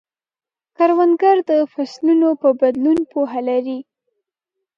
کروندګر د فصلونو په بدلون پوهه لري